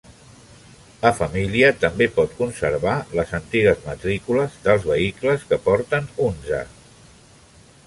La família també pot conservar les antigues matrícules dels vehicles que porten "Hunza".